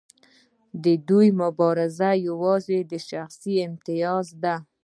د دوی مبارزه یوازې د شخصي امتیاز ده.